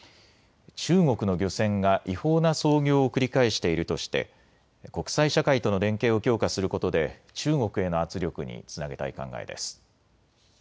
中国の漁船が違法な操業を繰り返しているとして国際社会との連携を強化することで中国への圧力につなげたい考えです。